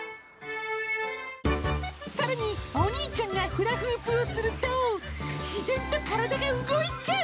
さらに、お兄ちゃんがフラフープをすると、自然と体が動いちゃう。